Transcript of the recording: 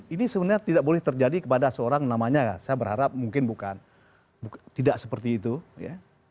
ini sebenarnya tidak boleh terjadi kepada seorang namanya saya berharap mungkin bukan tidak seperti itu ya